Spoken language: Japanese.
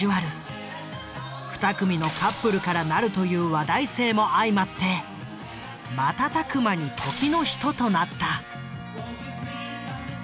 ２組のカップルから成るという話題性も相まって瞬く間に時の人となった。